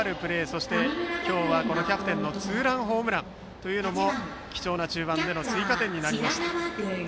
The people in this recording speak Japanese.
そして今日はキャプテンのツーランホームランというのも貴重な中盤での追加点になりました。